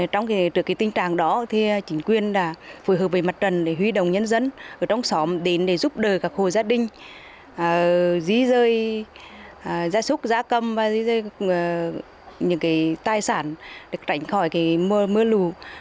trong tình trạng đó chính quyền đã phù hợp với mặt trần để huy động nhân dân ở trong xóm đến giúp đỡ các hồ gia đình di rời gia súc gia câm và những tài sản trảnh khỏi mưa lù